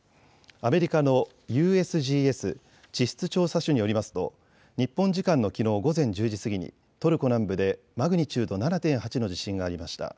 アメリカのＵＳＧＳ・地質調査所によりますと日本時間のきのう午前１０時過ぎにトルコ南部でマグニチュード７．８の地震がありました。